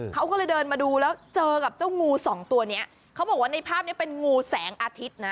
เขาก็เลยเดินมาดูแล้วเจอกับเจ้างูสองตัวเนี้ยเขาบอกว่าในภาพนี้เป็นงูแสงอาทิตย์นะ